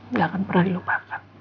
enggak akan pernah lupa